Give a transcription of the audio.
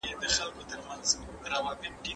زه پرون د ښوونځي کتابونه مطالعه کوم!؟